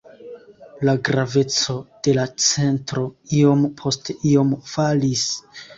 La graveco de la centro iom post iom falis.